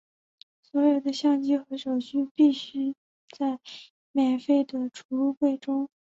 所有的相机和手机必须留在免费的储物柜中。